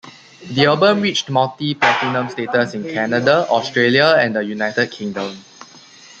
The album reached multi-platinum status in Canada, Australia and the United Kingdom.